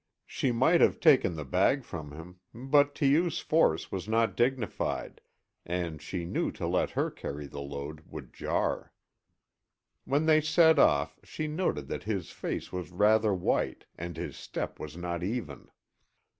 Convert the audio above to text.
She might have taken the bag from him, but to use force was not dignified and she knew to let her carry the load would jar. When they set off she noted that his face was rather white and his step was not even.